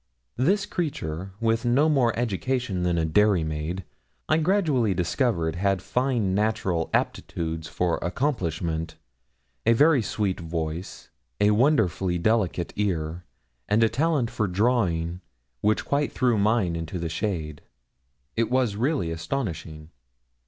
This creature, with no more education than a dairy maid, I gradually discovered had fine natural aptitudes for accomplishment a very sweet voice, and wonderfully delicate ear, and a talent for drawing which quite threw mine into the shade. It was really astonishing.